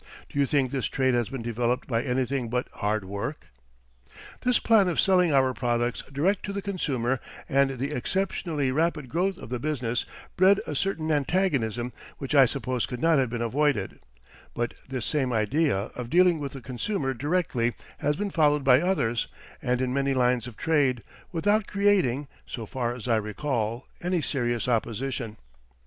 Do you think this trade has been developed by anything but hard work? This plan of selling our products direct to the consumer and the exceptionally rapid growth of the business bred a certain antagonism which I suppose could not have been avoided, but this same idea of dealing with the consumer directly has been followed by others and in many lines of trade, without creating, so far as I recall, any serious opposition.